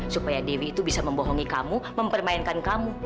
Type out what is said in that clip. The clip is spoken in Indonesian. supaya dewi itu bisa membohongi kamu mempermainkan kamu